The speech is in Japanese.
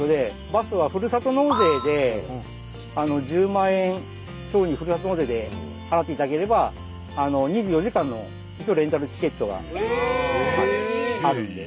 バスはふるさと納税で１０万円町にふるさと納税で払っていただければ２４時間のレンタルチケットがあるんで。